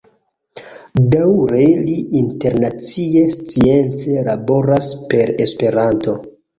Daŭre li internacie science laboras per Esperanto.